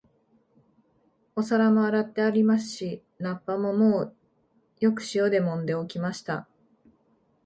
お皿も洗ってありますし、菜っ葉ももうよく塩でもんで置きました